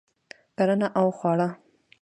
کرنه او خواړه